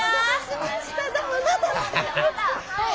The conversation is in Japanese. はい！